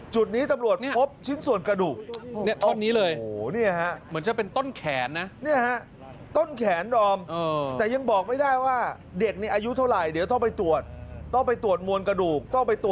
จุดนี้ตำรวจพบชิ้นส่วนกระดูก